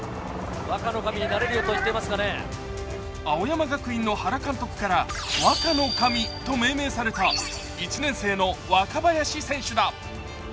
青山学院の原監督から、若の神と命名された１年生の若林選手だ。